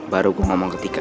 baru gue ngomong ke tika